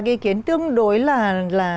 cái ý kiến tương đối là